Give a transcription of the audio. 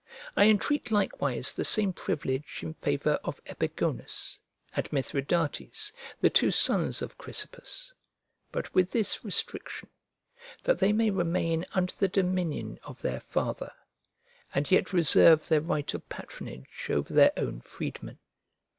I entreat likewise the same privilege in favour of Epigonus and Mithridates, the two sons of Chrysippus; but with this restriction that they may remain under the dominion of their father, and yet reserve their right of patronage over their own freedmen.